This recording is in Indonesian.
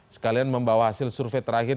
sekalian membawa hasil survei terakhir